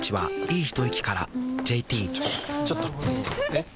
えっ⁉